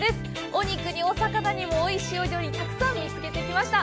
お肉に、お魚に、おいしいお料理たくさん見つけてきました。